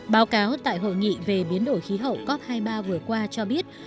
báo cáo tại hội nghị về biến đổi khí hậu cop hai mươi ba vừa qua cho biết